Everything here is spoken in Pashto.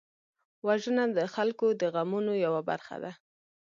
وژنه د خلکو د غمونو یوه برخه ده